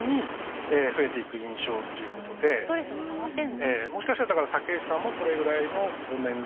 ストレスもたまってる。